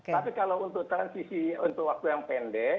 tapi kalau untuk transisi untuk waktu yang pendek